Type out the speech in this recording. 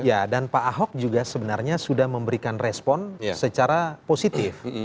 ya dan pak ahok juga sebenarnya sudah memberikan respon secara positif